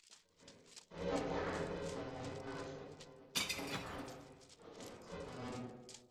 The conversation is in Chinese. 转向架并安装有轮缘润滑装置和踏面清扫装置。